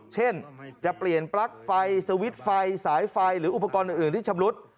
เช่นจะเปลี่ยนปลั๊กไฟสวิตช์ไฟสายไฟหรืออุปกรณ์อื่นที่ชำรุด